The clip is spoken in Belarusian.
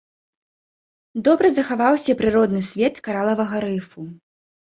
Добра захаваўся прыродны свет каралавага рыфу.